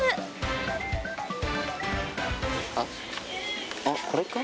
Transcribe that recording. あっあっこれか？